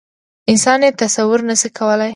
انسان یې تصویر نه شي کولی.